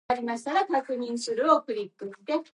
The building was designed by Frank Shaver Allen.